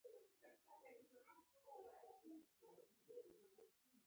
د دښتې، غرونو او اوښانو یوه ښایسته منظره یې جوړه کړه.